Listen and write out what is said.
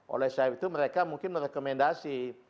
oleh sebab itu mereka mungkin merekomendasi